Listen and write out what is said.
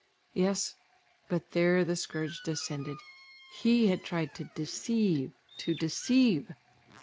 Yes but (here the scourge descended!) he had tried to deceive. To deceive!